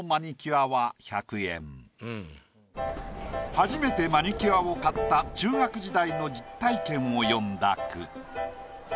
初めてマニキュアを買った中学時代の実体験を詠んだ句。